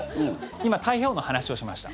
今、太平洋の話をしました。